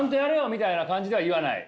みたいな感じでは言わない。